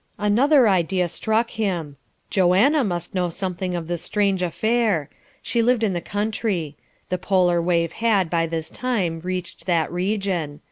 Another idea struck him. Joanna must know something of this strange affair. She lived in the country. The polar wave had, by this time, reached that region.